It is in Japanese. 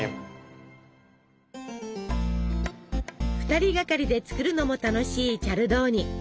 ２人がかりで作るのも楽しいチャルドーニ。